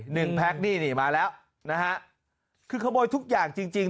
แพ็คนี่นี่มาแล้วนะฮะคือขโมยทุกอย่างจริงจริง